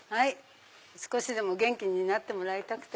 少しでも元気になってもらいたくて。